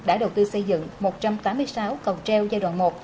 đã đầu tư xây dựng một trăm tám mươi sáu cầu treo giai đoạn một